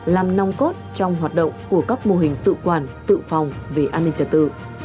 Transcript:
làm nòng cốt trong hoạt động của các mô hình tự quản tự phòng về an ninh trật tự